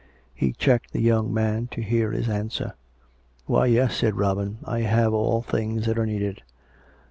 " He checked the young man, to hear his answer. " Why, yes," said Robin. " I have all things that are needed."